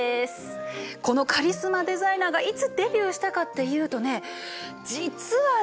このカリスマデザイナーがいつデビューしたかっていうとね実はね。